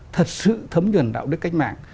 thật sự thấm nhuận đạo đức cách mạng